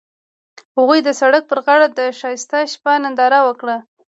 هغوی د سړک پر غاړه د ښایسته شپه ننداره وکړه.